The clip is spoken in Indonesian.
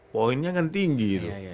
poinnya kan tinggi